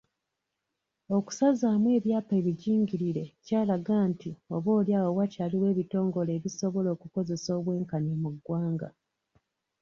Okusazaamu ebyapa ebijingirire kyalaga nti oboolyawo wakyaliwo ebitongole ebisobola okukozesa obwenkanya mu ggwanga.